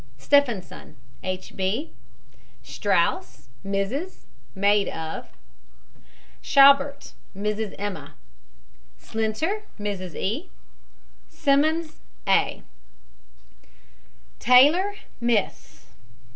STEFFANSON, H. B. STRAUS, MRS., maid of. SCHABERT, MRS. EMMA. SLINTER, MRS. E. SIMMONS, A. TAYLOR, MISS.